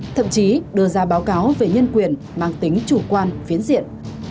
thậm chí đưa ra báo cáo về nhân quyền mang tính chủ quan phiến diện